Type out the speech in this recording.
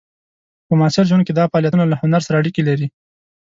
په معاصر ژوند کې دا فعالیتونه له هنر سره اړیکې لري.